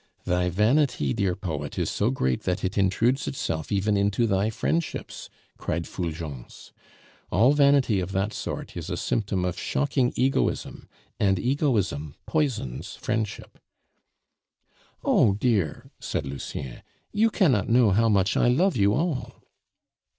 "Thy vanity, dear poet, is so great that it intrudes itself even into thy friendships!" cried Fulgence. "All vanity of that sort is a symptom of shocking egoism, and egoism poisons friendship." "Oh! dear," said Lucien, "you cannot know how much I love you all."